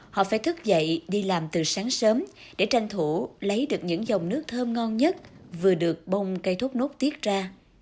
họ phải thức dậy đi làm từ sáng sớm để tranh thủ lấy được những dòng nước thơm ngon nhất vừa được bông cây thốt nốt tiết ra